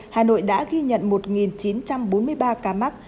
hà nội đã ghi nhận một chín trăm bốn mươi ba ca mắc